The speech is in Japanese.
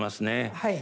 はい。